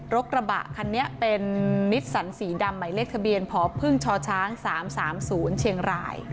กระบะคันนี้เป็นนิสสันสีดำหมายเลขทะเบียนพพชช๓๓๐เชียงราย